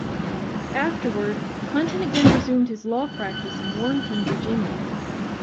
Afterward, Hunton again resumed his law practice in Warrenton, Virginia.